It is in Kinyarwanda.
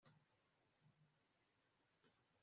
igitekerezo gito kizakubwira ko gahunda yose idashoboka